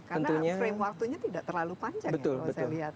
karena frame waktunya tidak terlalu panjang kalau saya lihat